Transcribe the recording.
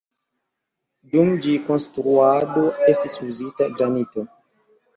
Dum ĝi konstruado estis uzita granito.